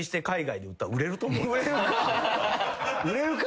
売れるか！